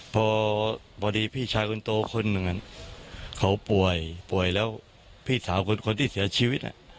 พอพอดีพี่ชายคนโตคนหนึ่งเขาป่วยป่วยแล้วพี่สาวคนที่เสียชีวิต